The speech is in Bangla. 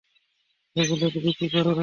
এগুলো দিয়ে কী করবেন?